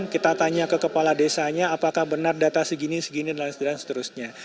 kita tanya ke kepala desanya apakah benar data segini segini dan lain sebagainya